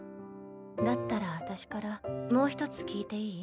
だったら私からもう一つ聞いていい？